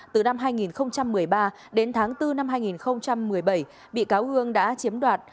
từ năm hai nghìn một mươi ba đến tháng bốn năm hai nghìn một mươi bảy bị cáo hương đã chiếm đoạt